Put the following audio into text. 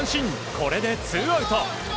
これでツーアウト。